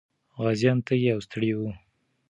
غازيان تږي او ستړي وو.